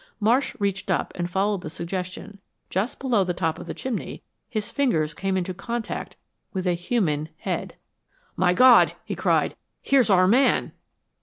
Marsh reached up and followed the suggestion. Just below the top of the chimney his fingers came into contact with a human head. "My God!" he cried. "Here's our man."